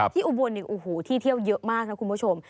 อุบลโอ้โหที่เที่ยวเยอะมากนะคุณผู้ชม